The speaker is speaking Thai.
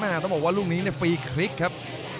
ไม่ต้องบอกว่ารุ่งนี้ในฟรีคลิกครับ